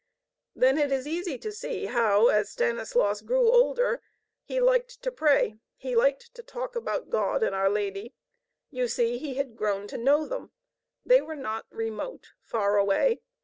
Then it is easy to see how, as Stanislaus grew older, he liked to pray, he liked to talk about God and our Lady. You see, he had grown to know them. They were not remote, far away.